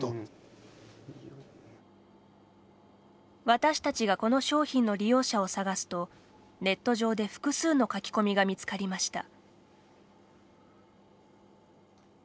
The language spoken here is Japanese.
私たちがこの商品の利用者を探すとネット上で複数の書き込みが見つかりました。